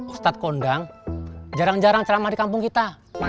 ustadz kondang jarang jarang ceramah di kampung kita